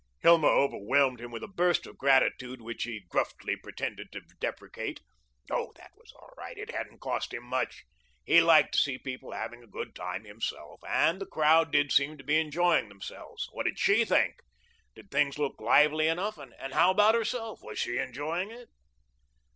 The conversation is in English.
Hilma overwhelmed him with a burst of gratitude which he gruffly pretended to deprecate. Oh, that was all right. It hadn't cost him much. He liked to see people having a good time himself, and the crowd did seem to be enjoying themselves. What did SHE think? Did things look lively enough? And how about herself was she enjoying it?